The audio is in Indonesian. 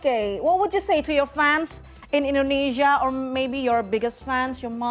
oke apa yang kamu ingin katakan kepada fans di indonesia atau mungkin fans terbesar kamu